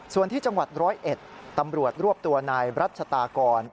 ส่วนที่จังหวัด๑๐๑ตำรวจรวบตัวนายรัชฎากร